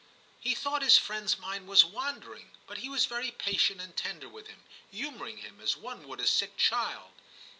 He thought his friend's mind was wandering, but he was very patient and tender with him, humouring him, as one would a sick child.